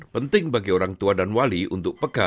penting bagi orang tua dan wali untuk peka